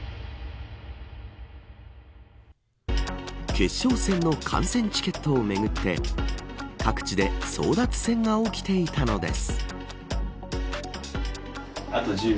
決勝戦の観戦チケットをめぐって各地で争奪戦が起きていたのです。